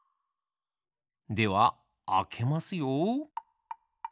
ではあけますよ。